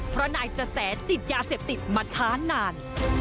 เพราะนายจะแสติดยาเสพติดมาช้านาน